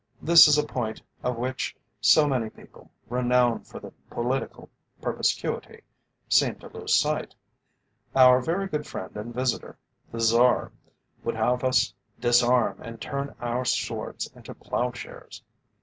This is a point of which so many people, renowned for their political perspicuity, seem to lose sight. Our very good friend and visitor, the Czar, would have us disarm and turn our swords into ploughshares.